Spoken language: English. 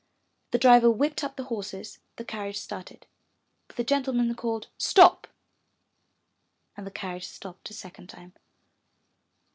The driver whipped up the horses, the carriage started, but the gentleman called, '*Stop!" and the carriage stopped a second time.